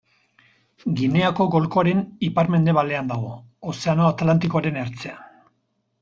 Gineako golkoaren ipar-mendebalean dago, Ozeano Atlantikoaren ertzean.